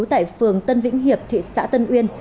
tại phường tân vĩnh hiệp thị xã tân uyên